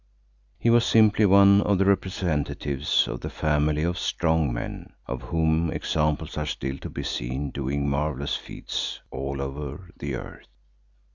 He was simply one of the representatives of the family of "strong men," of whom examples are still to be seen doing marvellous feats all over the earth.